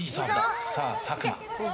さあ、佐久間。